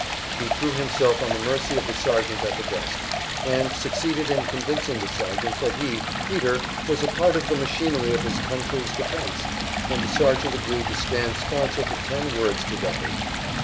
He threw himself on the mercy of the sergeant at the desk, and succeeded in convincing the sergeant that he, Peter, was a part of the machinery of his country's defense, and the sergeant agreed to stand sponsor for ten words to Guffey.